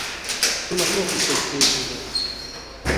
Тона прок учось эйсэнзэ.